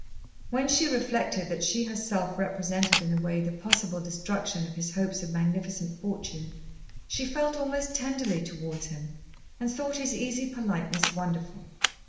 When she reflected that she herself represented in a way the possible destruction of his hopes of magnificent fortune, she felt almost tenderly towards him, and thought his easy politeness wonderful.